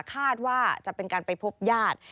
คาดว่าจะเป็นการไปพบญาติ